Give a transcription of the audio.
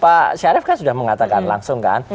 pak syarif kan sudah mengatakan langsung kan